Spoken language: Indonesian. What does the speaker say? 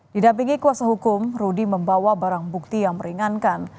didampingi kuasa hukum rudy membawa barang bukti yang meringankan